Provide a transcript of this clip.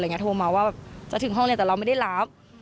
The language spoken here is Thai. แล้วเขาก็หมั่วไข่โทรมาขนาดนี้ครับ